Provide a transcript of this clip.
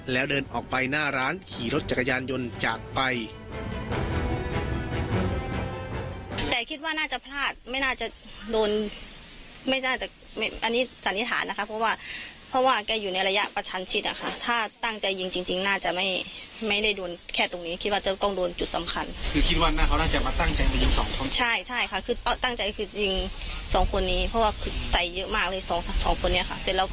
แล้วเดินออกไปหน้าร้านขี่รถจักรยานยนต์จากไป